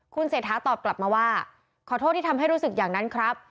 คุณเศรษฐาตอบกลับมาว่าขอโทษที่ทำให้รู้สึกอย่างนั้นครับ